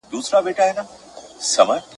موږ د جنګونو نغارو ته نڅېدل زده کړي !.